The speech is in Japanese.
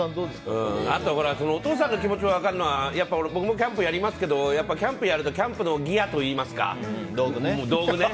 お父さんの気持ちも分かるのは僕もキャンプをやりますけどキャンプをやるとキャンプのギアというか道具ね。